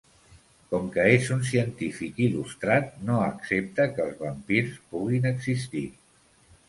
Com que és un científic il·lustrat, no accepta que els vampirs puguin existir.